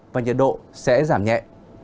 và nhiệt độ sẽ giảm mạnh hơn